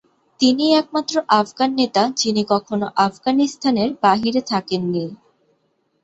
তিনিই একমাত্র আফগান নেতা যিনি কখনো আফগানিস্তানের বাইরে থাকেন নি।